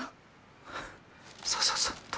ハさささっと。